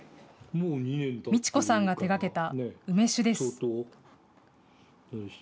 路子さんが手がけた梅酒です。